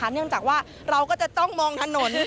เนื่องจากว่าเราก็จะต้องมองถนน